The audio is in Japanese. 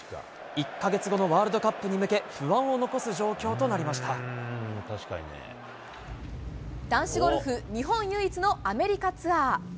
１か月後のワールドカップに向け、男子ゴルフ、日本唯一のアメリカツアー。